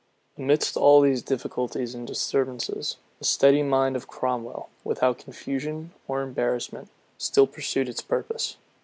Amidst all these difficulties and disturbances, the steady mind of Cromwell, without confusion or embarrassment, still pursued its purpose.